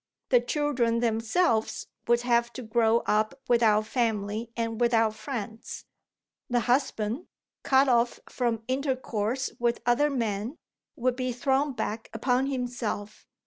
The children themselves would have to grow up without family and without friends. The husband, cut off from intercourse with other men, would be thrown back upon himself.